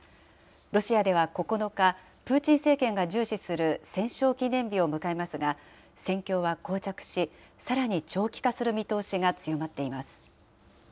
ロシアでは９日、プーチン政権が重視する戦勝記念日を迎えますが、戦況はこう着し、さらに長期化する見通しが強まっています。